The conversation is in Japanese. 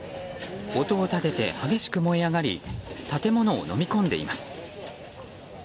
音を立てて激しく燃え上がり建物をのみ込んでいます。